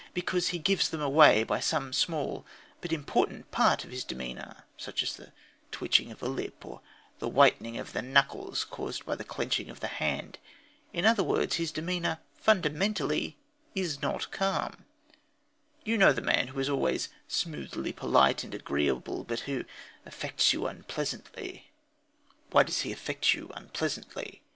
Because he "gives them away" by some small, but important, part of his demeanour, such as the twitching of a lip or the whitening of the knuckles caused by clenching the hand. In other words, his demeanour, fundamentally, is not calm. You know the man who is always "smoothly polite and agreeable," but who affects you unpleasantly. Why does he affect you unpleasantly?